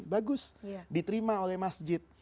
bagus diterima oleh masjid